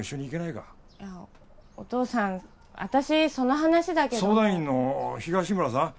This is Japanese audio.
いやお父さん私その話だけど相談員の東村さん？